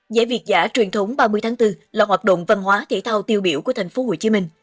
giải việt giã truyền thống ba mươi tháng bốn là hoạt động văn hóa thể thao tiêu biểu của thành phố hồ chí minh